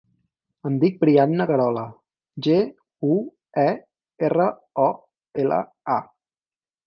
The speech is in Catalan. Em dic Brianna Guerola: ge, u, e, erra, o, ela, a.